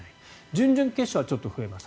準々決勝はちょっと増えます